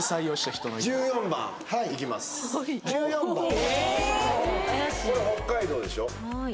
これ北海道でしょ？